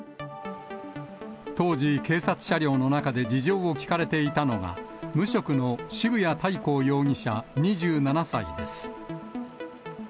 当時、警察車両の中で事情を聴かれていたのが、無職の渋谷大皇容疑者２７歳です。